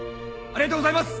ありがとうございます！